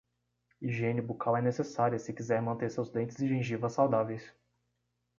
Higiene bucal é necessária se quiser manter seus dentes e gengiva saudáveis